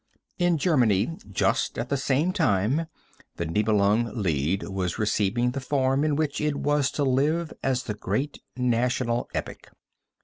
In Germany, just at the same time, the Nibelungen Lied was receiving the form in which it was to live as the great National epic.